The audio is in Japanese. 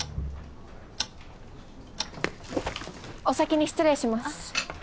お先に失礼します。